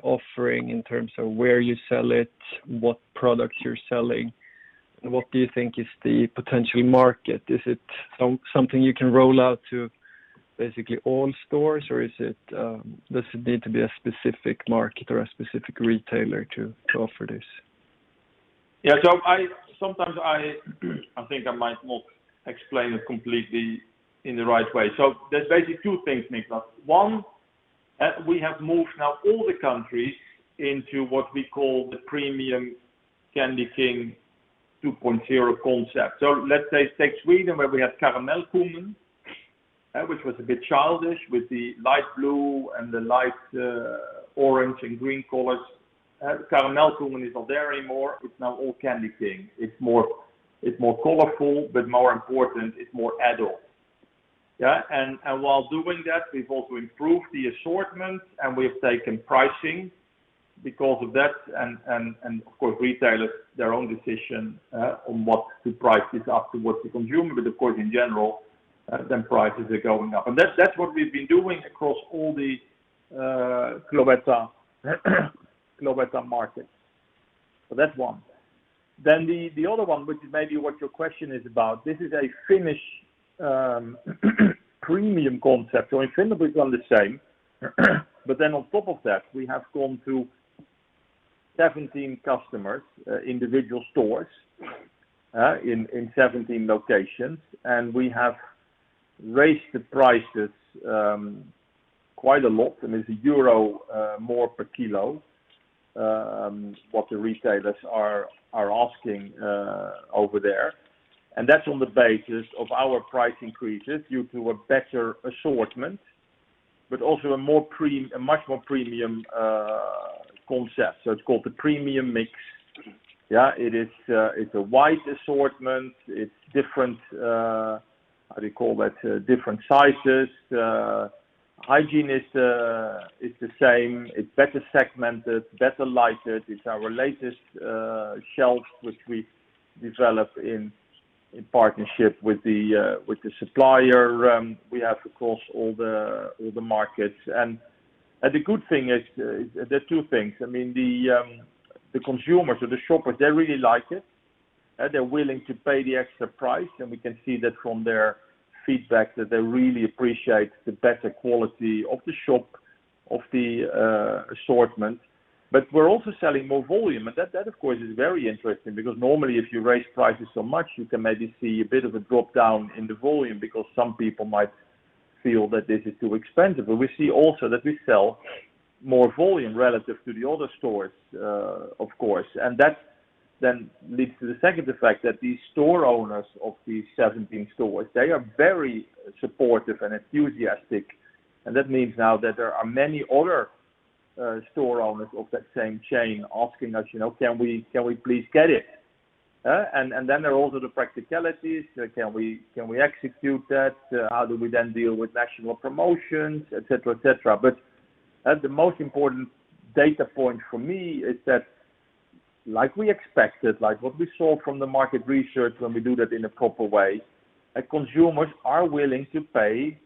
offering in terms of where you sell it, what products you are selling, and what do you think is the potential market? Is it something you can roll out to basically all stores, or does it need to be a specific market or a specific retailer to offer this? Yeah. Sometimes I think I might not explain it completely in the right way. There's basically two things, Nicklas. One, we have moved now all the countries into what we call the premium CandyKing 2.0 concept. Let's say, take Sweden, where we had Karamellkungen, which was a bit childish with the light blue and the light orange and green colors. Karamellkungen is not there anymore. It's now all CandyKing. It's more colorful, but more important, it's more adult. While doing that, we've also improved the assortment and we have taken pricing because of that, and of course, retailers, their own decision on what to price this up towards the consumer. Of course, in general, then prices are going up. That's what we've been doing across all the Cloetta markets. That's one. The other one, which is maybe what your question is about, this is a Finnish premium concept. In Finland, we've done the same. On top of that, we have gone to 17 customers, individual stores, in 17 locations, and we have raised the prices quite a lot. There is EUR 1 more per kilo, what the retailers are asking over there. That's on the basis of our price increases due to a better assortment, but also a much more premium concept. It's called the premium mix. It's a wide assortment. It's different, how do you call that, different sizes. Hygiene is the same. It's better segmented, better lighted. It's our latest shelf, which we developed in partnership with the supplier we have, across all the markets. The good thing is, there are two things. The consumers or the shoppers, they really like it. They're willing to pay the extra price, and we can see that from their feedback that they really appreciate the better quality of the shop, of the assortment. We're also selling more volume. That of course, is very interesting because normally if you raise prices so much, you can maybe see a bit of a drop-down in the volume because some people might feel that this is too expensive. We see also that we sell more volume relative to the other stores, of course. That then leads to the second effect, that these store owners of these 17 stores, they are very supportive and enthusiastic. That means now that there are many other store owners of that same chain asking us, "Can we please get it?" Then there are also the practicalities. Can we execute that? How do we then deal with national promotions, et cetera. The most important data point for me is that, like we expected, like what we saw from the market research when we do that in a proper way, consumers are willing to pay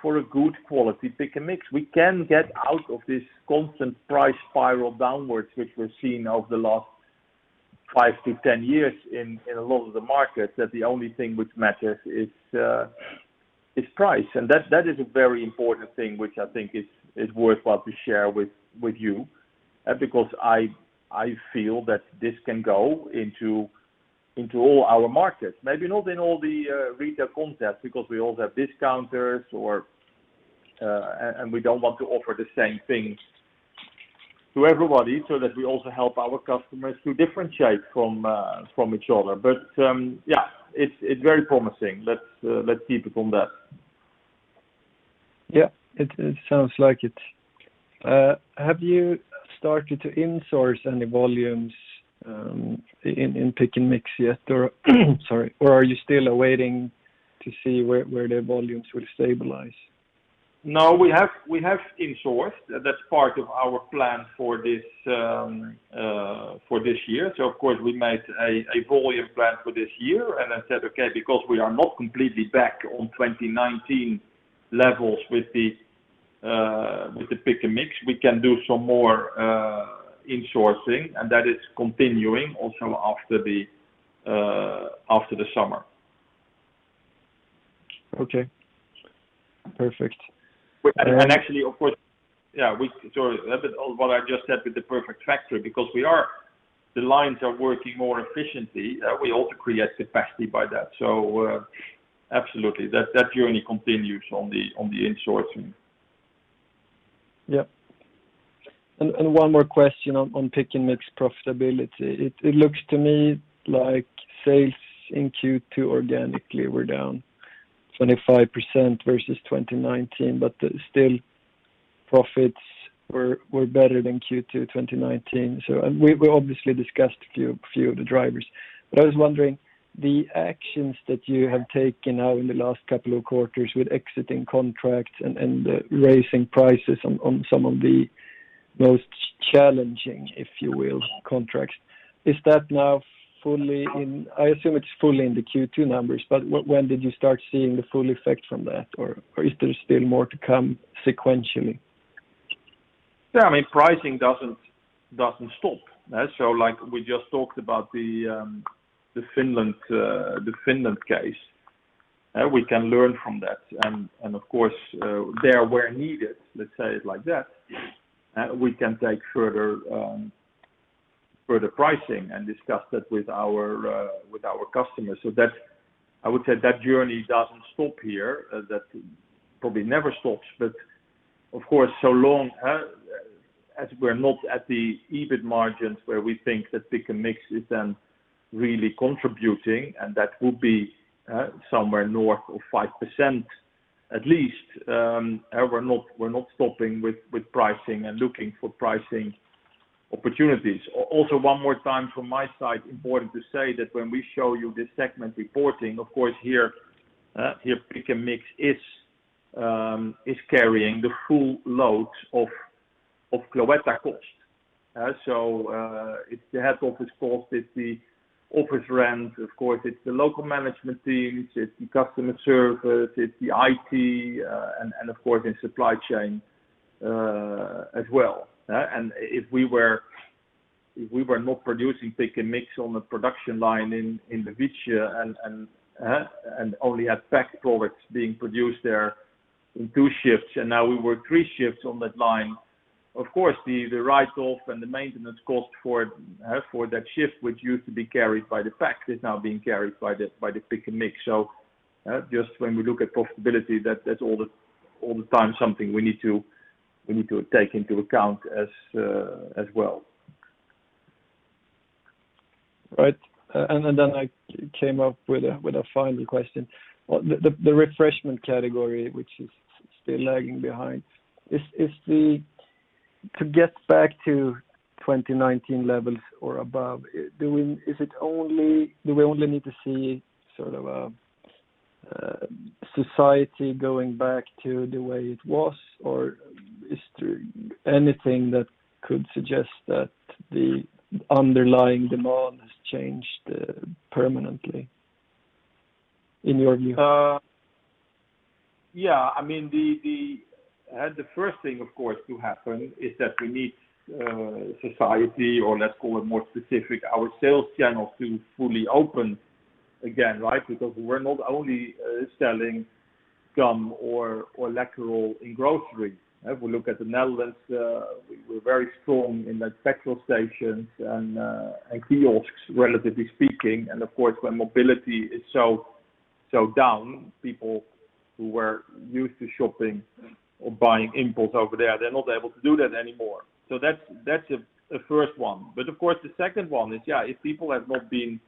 for a good quality Pick & Mix. We can get out of this constant price spiral downwards, which we're seeing over the last five to 10 years in a lot of the markets, that the only thing which matters is price. That is a very important thing, which I think is worthwhile to share with you, because I feel that this can go into all our markets. Maybe not in all the retail concepts, because we also have discounters, and we don't want to offer the same things to everybody, so that we also help our customers to differentiate from each other. Yeah, it's very promising. Let's keep it on that. Yeah. It sounds like it. Have you started to insource any volumes in Pick & Mix yet, or sorry, or are you still awaiting to see where the volumes will stabilize? No, we have insourced. That's part of our plan for this year. Of course, we made a volume plan for this year and then said, okay, because we are not completely back on 2019 levels with the Pick & Mix, we can do some more insourcing, and that is continuing also after the summer. Okay. Perfect. Actually, of course, yeah, sorry, a bit of what I just said with the Perfect Plant, because the lines are working more efficiently, we also create capacity by that. Absolutely. That journey continues on the insourcing. Yeah. One more question on Pick & Mix profitability. It looks to me like sales in Q2 organically were down 25% versus 2019, but still profits were better than Q2 2019. We obviously discussed a few of the drivers, but I was wondering, the actions that you have taken now in the last couple of quarters with exiting contracts and the raising prices on some of the most challenging, if you will, contracts. I assume it's fully in the Q2 numbers, but when did you start seeing the full effect from that? Or is there still more to come sequentially? Pricing doesn't stop. Like we just talked about the Finland case, we can learn from that. Of course, there where needed, let's say it like that, we can take further pricing and discuss that with our customers. I would say that journey doesn't stop here, that probably never stops. Of course, so long as we're not at the EBIT margins where we think that Pick & Mix is then really contributing, and that would be somewhere north of 5% at least, we're not stopping with pricing and looking for pricing opportunities. One more time from my side, important to say that when we show you the segment reporting, of course, here Pick & Mix is carrying the full loads of Cloetta cost. It's the head office cost, it's the office rent, of course it's the local management teams, it's the customer service, it's the IT, and of course, in supply chain as well. If we were not producing Pick & Mix on the production line in the [unintelligible] and only had packed products being produced there in two shifts, and now we work three shifts on that line, of course, the write-off and the maintenance cost for that shift, which used to be carried by the pack, is now being carried by the Pick & Mix. Just when we look at profitability, that's all the time something we need to take into account as well. Right. Then I came up with a final question. The refreshment category, which is still lagging behind. To get back to 2019 levels or above, do we only need to see a society going back to the way it was? Or is there anything that could suggest that the underlying demand has changed permanently in your view? Yeah, the first thing, of course, to happen is that we need society, or let's call it more specific, our sales channels to fully open again, right? Because we're not only selling gum or Läkerol in grocery. If we look at the Netherlands, we're very strong in the petrol stations and kiosks, relatively speaking. Of course, when mobility is so down, people who were used to shopping or buying impulse over there, they're not able to do that anymore. That's the first one. Of course, the second one is, yeah, if people have not been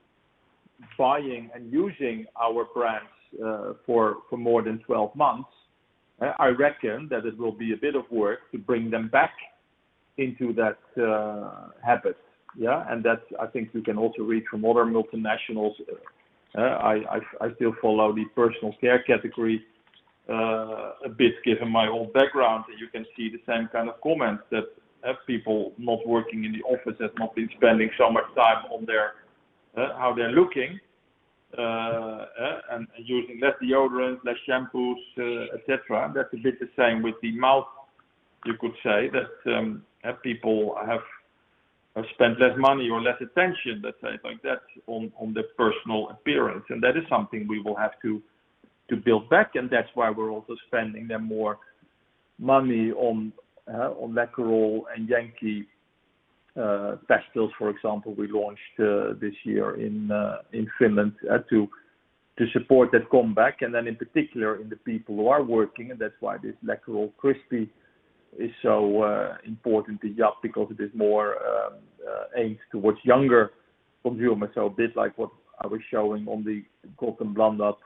buying and using our brands for more than 12 months, I reckon that it will be a bit of work to bring them back into that habit. Yeah. That's, I think we can also read from other multinationals. I still follow the personal care category a bit, given my old background, and you can see the same kind of comments that have people not working in the office, have not been spending so much time on how they're looking, and using less deodorant, less shampoos, et cetera. That's a bit the same with the mouth, you could say, that people have spent less money or less attention, let's say it like that, on their personal appearance. That is something we will have to build back, and that's why we're also spending the more money on Läkerol and Jenkki pastilles, for example, we launched this year in Finland to support that comeback, and then in particular in the people who are working, and that's why this Läkerol Crispy is so important to YUP, because it is more aimed towards younger consumers. A bit like what I was showing on the Gott & Blandat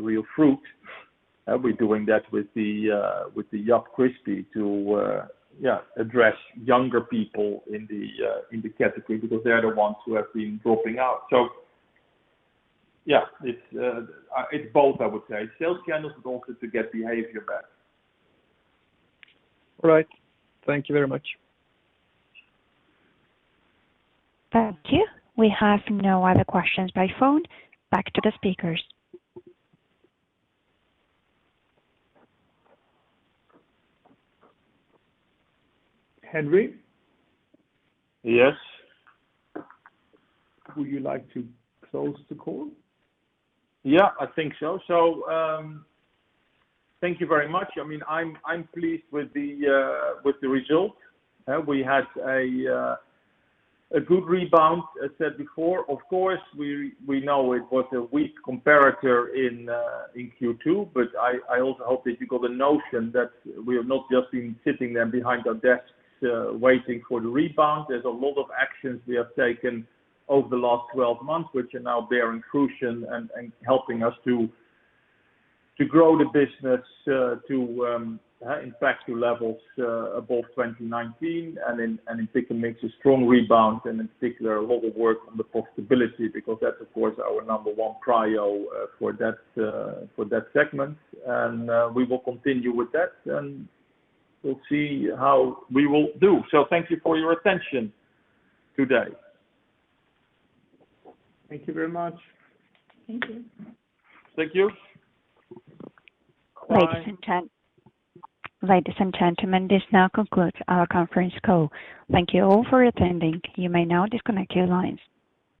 real fruit. We're doing that with the YUP Crispy to address younger people in the category because they're the ones who have been dropping out. Yeah, it's both, I would say, sales channels, but also to get behavior back. All right. Thank you very much. Thank you. We have no other questions by phone. Back to the speakers. Henri? Yes. Would you like to close the call? Yeah, I think so. Thank you very much. I'm pleased with the results. We had a good rebound, as said before. Of course, we know it was a weak comparator in Q2, but I also hope that you got a notion that we have not just been sitting then behind our desks waiting for the rebound. There's a lot of actions we have taken over the last 12 months, which are now bearing fruition and helping us to grow the business back to levels above 2019, and in Pick & Mix, a strong rebound, and in particular, a lot of work on the profitability, because that's, of course, our number one priority for that segment. We will continue with that, and we'll see how we will do. Thank you for your attention today. Thank you very much. Thank you. Thank you. Ladies and gentlemen, this now concludes our conference call. Thank you all for attending. You may now disconnect your lines.